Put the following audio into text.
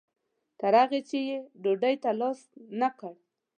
تر هغې یې ډوډۍ ته لاس نه کړ.